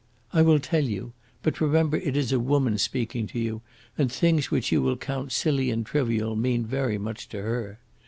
"I will tell you. But remember it is a woman speaking to you, and things which you will count silly and trivial mean very much to her.